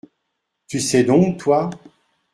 Tu sais donc, toi ?